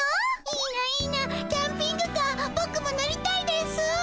いいないいなキャンピングカーボクも乗りたいですぅ。